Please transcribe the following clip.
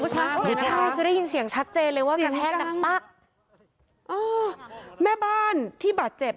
ดังมากเลยนะคะคือได้ยินเสียงชัดเจนเลยว่ากระแทงกันปะอ้อแม่บ้านที่บาดเจ็บ